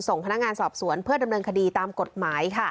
ส่งพนักงานสอบสวนเพื่อดำเนินคดีตามกฎหมาย